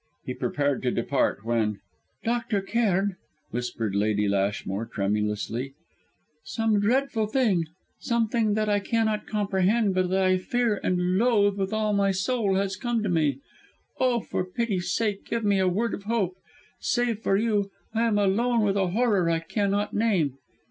He prepared to depart; when "Dr. Cairn!" whispered Lady Lashmore, tremulously, "some dreadful thing, something that I cannot comprehend but that I fear and loathe with all my soul, has come to me. Oh for pity's sake, give me a word of hope! Save for you, I am alone with a horror I cannot name.